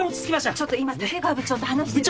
ちょっと今武川部長と話してるの。